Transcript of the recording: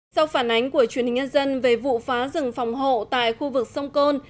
sau phản ánh của truyền hình nhân dân về vụ phá rừng phòng hộ tại khu vực sông côn